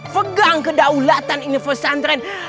pegang kedaulatan universantren